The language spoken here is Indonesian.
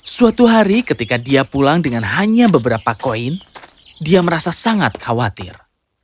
suatu hari ketika dia pulang dengan hanya beberapa koin dia merasa sangat khawatir